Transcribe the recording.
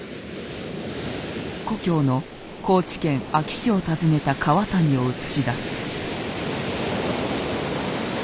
故郷の高知県安芸市を訪ねた川谷を映し出す。